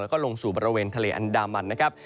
แล้วก็ลงสู่บริเวณทะเลอันดามันนะครับ